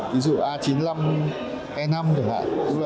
ví dụ a chín mươi năm e năm được hạn